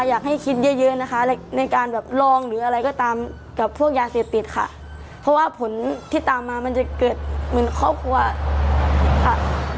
อยากให้คิดเยอะเยอะนะคะในการแบบลองหรืออะไรก็ตามกับพวกยาเสพติดค่ะเพราะว่าผลที่ตามมามันจะเกิดเหมือนครอบครัวค่ะ